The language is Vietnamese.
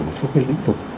một số cái lĩnh vực